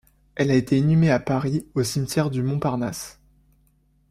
Elle a été inhumée à Paris, au cimetière du Montparnasse.